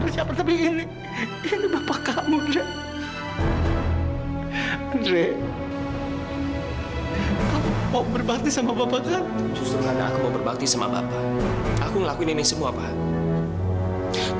jalan yang terbaik buat bapak